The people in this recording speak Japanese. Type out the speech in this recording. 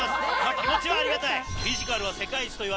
気持ちはありがたい。